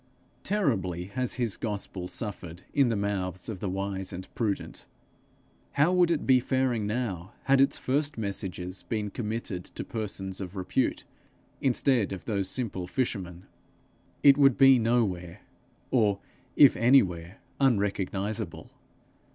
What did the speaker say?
Terribly has his gospel suffered in the mouths of the wise and prudent: how would it be faring now, had its first messages been committed to persons of repute, instead of those simple fishermen? It would be nowhere, or, if anywhere, unrecognizable.